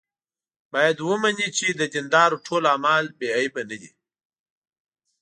باید ومني چې د دیندارو ټول اعمال بې عیبه نه دي.